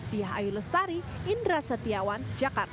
dia ayu lestari indra setiawan jakarta